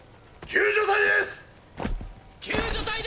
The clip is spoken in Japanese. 救助隊ですッ！！